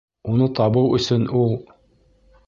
Уны табыу өсөн ул...